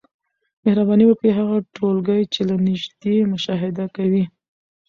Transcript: مهرباني وکړئ هغه ټولګي چي له نیژدې مشاهده کوی